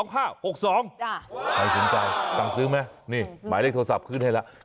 ใครสนใจสั่งซื้อไหมนี่หมายเลขโทรศัพท์ขึ้นให้แล้ว